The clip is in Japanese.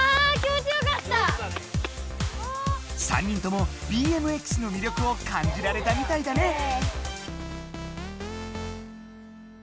３人ともＢＭＸの魅力を感じられたみたいだね。